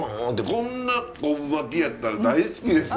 こんな昆布巻きやったら大好きです。